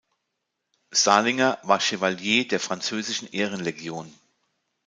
Salinger war Chevalier der französischen Ehrenlegion.